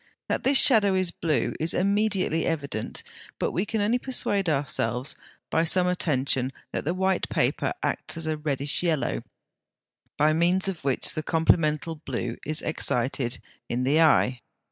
That this shadow is blue is immediately evident; but we can only persuade ourselves by some attention that the white paper acts as a reddish yellow, by means of which the complemental blue is excited in the eye.